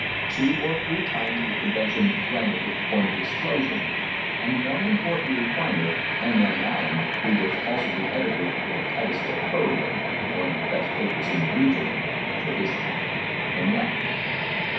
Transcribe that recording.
Two or three times the convention rangled to the point of explosion, and one important refiner, THE HISTORY OF THE STANDARD OIL COMPANY M. N. Allen, who was also the editor of the Titusville Courier, one of the best papers in the region, took his hat and left.